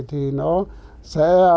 thì cũng không rõ ràng